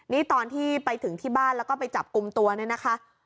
นี่ตอนที่ไปถึงที่บ้านแล้วก็ไปจับกลุ่มตัวเนี่ยนะคะ